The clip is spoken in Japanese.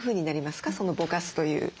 そのぼかすということは。